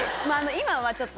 今はちょっと。